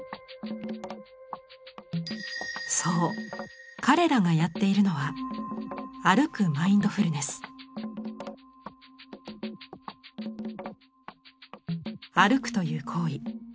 そう彼らがやっているのは歩くという行為